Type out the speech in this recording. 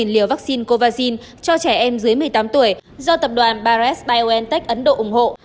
hai trăm linh liều vaccine covaxin cho trẻ em dưới một mươi tám tuổi do tập đoàn paris biontech ấn độ ủng hộ